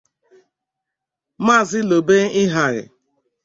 Maazị Lorbee Ihagh